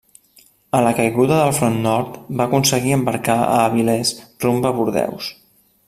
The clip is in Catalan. A la caiguda del front nord, va aconseguir embarcar a Avilés rumb a Bordeus.